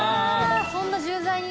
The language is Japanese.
そんな重罪に。